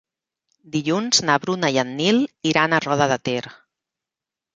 Dilluns na Bruna i en Nil iran a Roda de Ter.